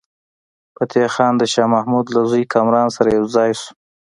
فتح خان د شاه محمود له زوی کامران سره یو ځای شو.